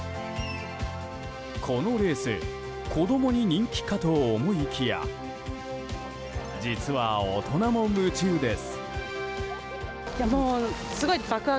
このレース子供に人気かと思いきや実は大人も夢中です。